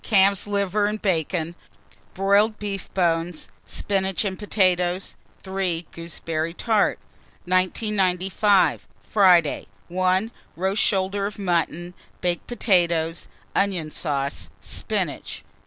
Calf's liver and bacon, broiled beef bones, spinach and potatoes. 3. Gooseberry tart. 1995. Friday. 1. Roast shoulder of mutton, baked potatoes, onion sauce, spinach.